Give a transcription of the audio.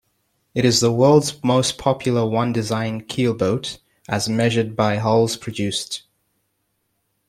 It is the world's most popular One-Design keelboat as measured by hulls produced.